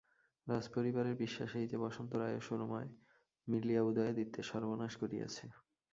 রাজপরিবারের বিশ্বাস এই যে, বসন্ত রায় ও সুরমায় মিলিয়া উদয়াদিত্যের সর্বনাশ করিয়াছে।